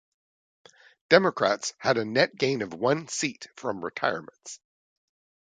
Democrats had a net gain of one seat from retirements.